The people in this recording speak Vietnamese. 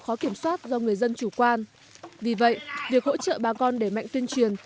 khó kiểm soát do người dân chủ quan vì vậy việc hỗ trợ bà con để mạnh tuyên truyền